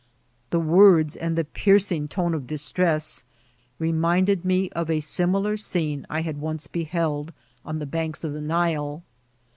" The words, and the piercing tone of distress, reminded me of a similar scene I had once beheld on the banks of the Nile.